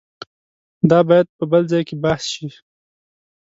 دا باید په بل ځای کې بحث شي.